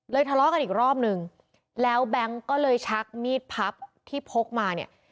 ทะเลาะกันอีกรอบนึงแล้วแบงค์ก็เลยชักมีดพับที่พกมาเนี่ย